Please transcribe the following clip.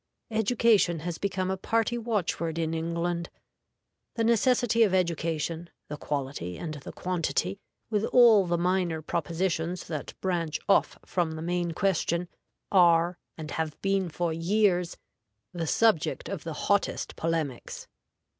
Education has become a party watchword in England. The necessity of education, the quality and the quantity, with all the minor propositions that branch off from the main question, are, and have been for years, the subject of the hottest polemics.